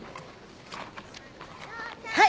はい！